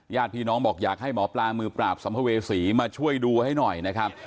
ญาติพี่น้องบอกอยากให้หมอปลามือปราบสัมภเวษีมาช่วยดูให้หน่อยนะครับ